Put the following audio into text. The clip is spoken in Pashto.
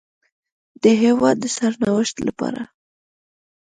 د هېواد د سرنوشت لپاره